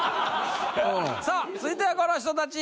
さあ続いてはこの人たち。